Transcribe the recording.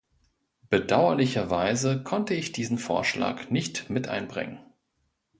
Bedauerlicherweise konnte ich diesen Vorschlag nicht mit einbringen.